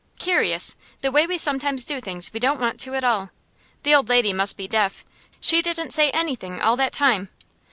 Curious, the way we sometimes do things we don't want to at all. The old lady must be deaf; she didn't say anything all that time.